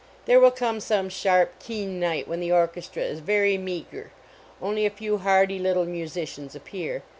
There will come some sharp, keen night when the orchestra is very meager. Only a few hardy little musi cians appear.